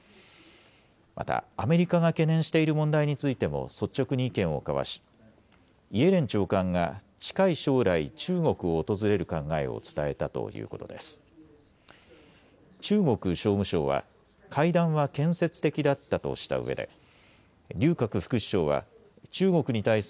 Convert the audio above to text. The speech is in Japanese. またアメリカが懸念している問題についても率直に意見を交わしイエレン長官が近い将来、中国を訪れる考えを伝えたということです。